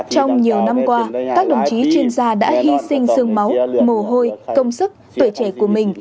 trong nhiều năm qua các đồng chí chuyên gia đã hy sinh sương máu mồ hôi công sức tuổi trẻ của mình